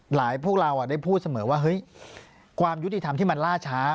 พวกเราได้พูดเสมอว่าเฮ้ยความยุติธรรมที่มันล่าช้า